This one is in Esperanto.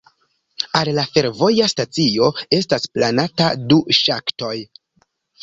Al la fervoja stacio estas planata du ŝaktoj.